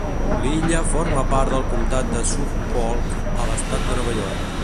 L'illa forma part del comptat de Suffolk a l'estat de Nova York.